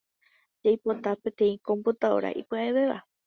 Jaipota peteĩ computadora ipya’evéva.